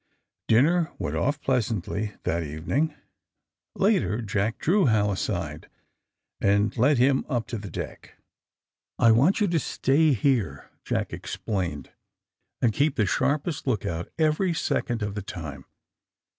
Dinner went otf pleasantly that evening. Later Jack drew Hal aside and led him up to the deck. ^^I want you to stay here," Jack explained. 164 THE SUBMAEINE BOYS ''and keep the sharpest lookout every second of the time.